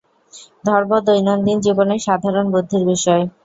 ধর্ম দৈনন্দিন জীবনের সাধারণ বুদ্ধির বিষয়।